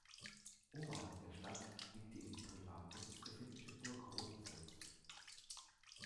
Oberhalb der Stadt liegt die in Privatbesitz befindliche Burg Rothenfels.